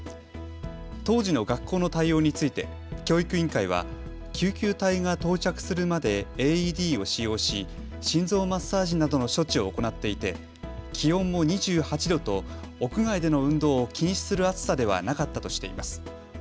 当時の学校の対応について教育委員会は救急隊が到着するまでＡＥＤを使用し心臓マッサージなどの処置を行っていて気温も２８度と屋外での運動を禁止する暑さではなかったとしています。